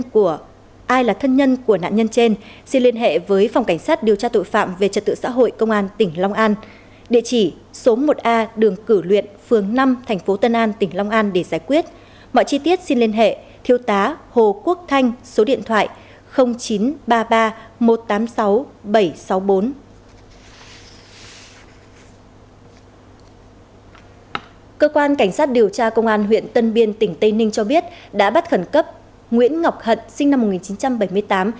cơ quan cảnh sát điều tra công an huyện tân biên tỉnh tây ninh cho biết đã bắt khẩn cấp nguyễn ngọc hận sinh năm một nghìn chín trăm bảy mươi tám